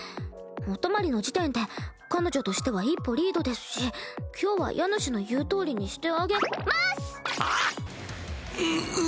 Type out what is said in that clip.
お泊まりの時点で彼女としては一歩リードですし今日は家主の言うとおりにしてあげます！